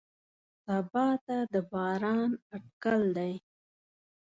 سبا ته د باران اټکل دی.